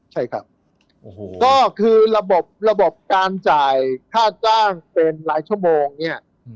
ใช่ครับก็คือระบบระบบการจ่ายค่าจ้างเป็นหลายชั่วโมงเนี่ย